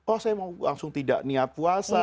oh saya mau langsung tidak niat puasa